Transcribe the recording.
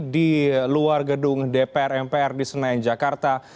di luar gedung dpr mpr di senayan jakarta